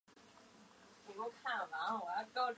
首都圈电铁其中一个终站也设在天安。